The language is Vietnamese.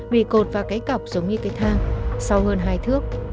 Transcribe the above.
vì cột và cái cọc giống như cái thang sau hơn hai thước